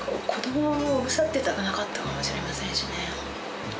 子どもはもうおぶさっていたくなかったかもしれませんしね。